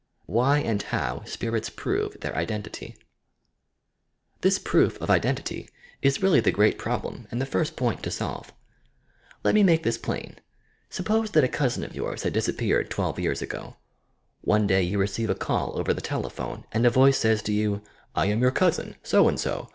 WHY AND HOW SPIIUTS PROVE THEIR mENTITT This proof of identity is really the great problem and the first point to solve. Let me make this plain. Sup pose that a cousin of yours had disappeared twelve years ago. One day you receive a call over the telephone and a voice says to you, "I am your cousin, so and so.